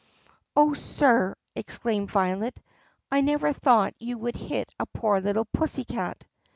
"Oh, sir," exclaimed Violet, "I never thought you would hit a poor litttle pussycat."